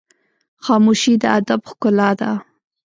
خاموشي، د ادب ښکلا ده.